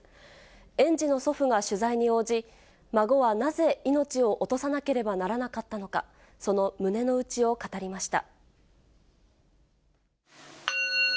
園児の祖父が取材に応じ、孫はなぜ命を落とさなければならなかったのか、その胸の内を語りました。